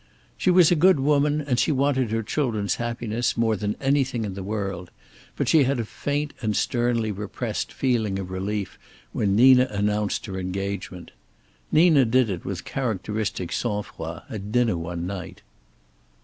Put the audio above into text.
She was a good woman, and she wanted her children's happiness more than anything in the world, but she had a faint and sternly repressed feeling of relief when Nina announced her engagement. Nina did it with characteristic sangfroid, at dinner one night.